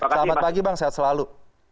selamat pagi bang sehat selalu